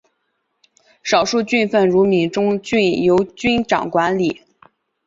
少数郡份如闽中郡由君长管理。